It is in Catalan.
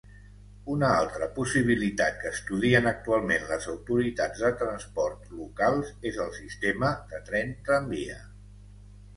Una altra possibilitat que estudien actualment les autoritats de transport locals és el sistema de tren tramvia.